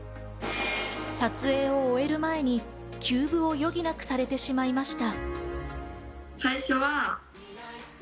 撮影を終える前に休部を余儀なくされてしまいました。